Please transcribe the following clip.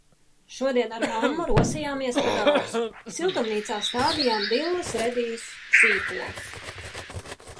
Šodien ar mammu rosījāmies pa dārzu. Siltumnīcā stādījām dilles, redīsus, sīpolus.